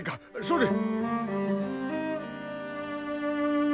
それ。